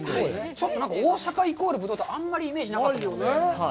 ちょっとなんか大阪イコールぶどうという、あんまりイメージなかったですね。